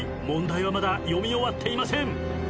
問題はまだ読み終わっていません。